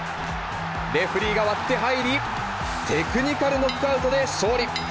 レフリーが割って入り、テクニカルノックアウトで勝利。